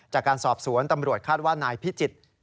จากการสอบสวนตำรวจคาดว่านายพิจิตร